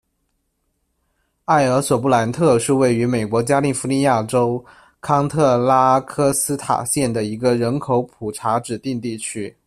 埃尔索布兰特是位于美国加利福尼亚州康特拉科斯塔县的一个人口普查指定地区。